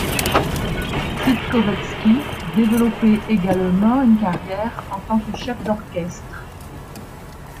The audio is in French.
Sitkovetsky développé également une carrière en tant que chef d'orchestre.